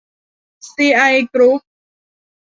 ซี ไอ กรุ๊ป